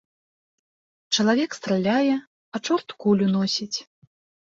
Чалавек страляе, а чорт кулю носіць.